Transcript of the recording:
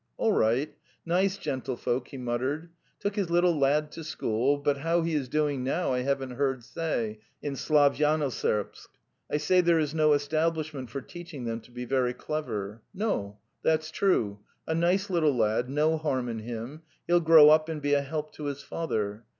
All right: ..: Nice gentlefolk, :.."' he mut tered. '' Took his little lad to school — but how he is doing now I haven't heard say —in Slavyano serbsk. I say there is no establishment for teaching them to be very clever. ... No, that's true —a nice little lad, no harm in him. ... He'll grow up and be a help to his father.